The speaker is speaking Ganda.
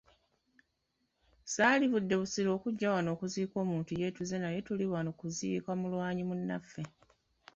Sandivudde Busiro kujja wano kuziika muntu yeetuze naye tuli wano okuziika mulwanyi munnaffe.